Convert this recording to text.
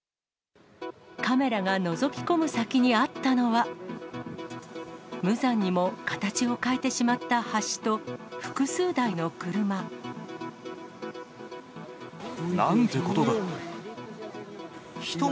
カメラがのぞき込む先にあったのは、無残にも形を変えてしまった橋と、複数台の車。なんてことだ！